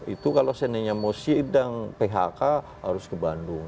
itu kalau seandainya mau siapkan phk harus ke bandung